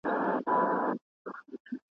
جهاني چي راته ستایې کارنامې د مېړنیو